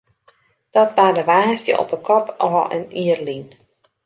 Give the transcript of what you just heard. Dat barde woansdei op 'e kop ôf in jier lyn.